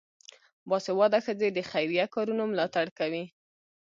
باسواده ښځې د خیریه کارونو ملاتړ کوي.